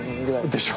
でしょ？